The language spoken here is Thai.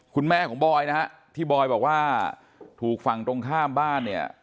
คุณแม่ของบ่อยที่บอยบอกว่าถูกฝังตรงข้ามบ้าน